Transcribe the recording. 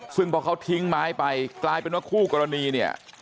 ซึ่งพอเขาทิ้งไม้ไปกลายเป็นว่าคู่กรณีเนี่ย